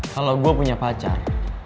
kalau gue punya pacar